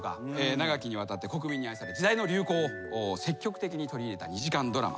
長きにわたって国民に愛され時代の流行を積極的に取り入れた２時間ドラマ。